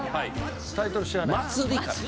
タイトル知らない。